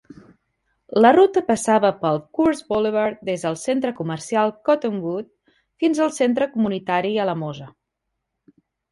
La ruta passava pel Coors Boulevard des del centre comercial Cottonwood fins al centre comunitari Alamosa.